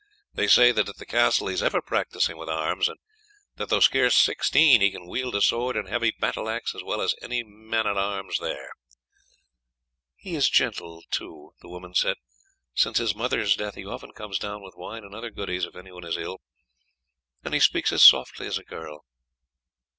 They say that at the castle he is ever practising with arms, and that though scarce sixteen he can wield a sword and heavy battle axe as well as any man at arms there." "He is gentle too," the woman said. "Since his mother's death he often comes down with wine and other goodies if anyone is ill, and he speaks as softly as a girl.